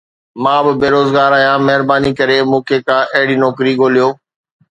مان به بيروزگار آهيان، مهرباني ڪري مون کي ڪا اهڙي نوڪري ڳوليو